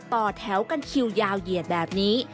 ต่อแถวกันคิวยาวเหยียดแบบนี้